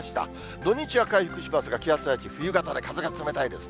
土日は回復しますが、気圧配置冬型で風が冷たいですね。